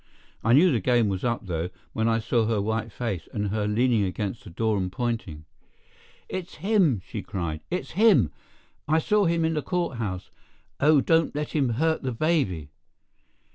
I knew the game was up, though, when I saw her white face, and her leaning against the door and pointing. "It's him!" she cried; "it's him! I saw him in the court house. Oh, don't let him hurt the baby!"